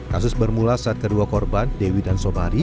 kasus bermula saat kedua korban dewi dan sobari